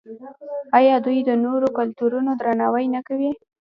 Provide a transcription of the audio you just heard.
آیا دوی د نورو کلتورونو درناوی نه کوي؟